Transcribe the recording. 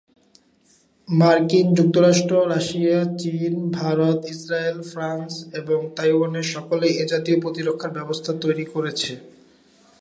মার্কিন যুক্তরাষ্ট্র, রাশিয়া, চীন, ভারত, ইস্রায়েল, ফ্রান্স এবং তাইওয়ান সকলেই এ জাতীয় প্রতিরক্ষা ব্যবস্থা তৈরি করেছে।